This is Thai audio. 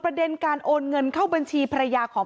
เพราะมันเอาไปสำหรับใช้ค่ะจริงแล้ว